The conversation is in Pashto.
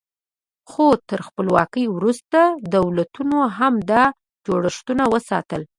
خو تر خپلواکۍ وروسته دولتونو هم دا جوړښتونه وساتل.